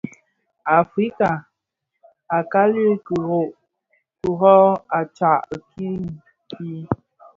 Afrika nʼl, a kali ki rö, a tsad king kii.